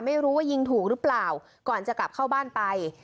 ไม่รู้ว่ายิงถูกหรือเปล่าก่อนจะกลับเข้าบ้านไป